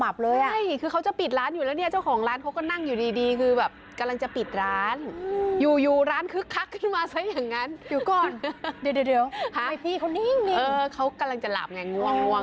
บ้าจริง